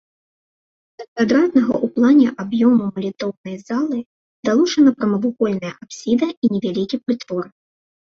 Да квадратнага ў плане аб'ёму малітоўнай залы далучана прамавугольная апсіда і невялікі прытвор.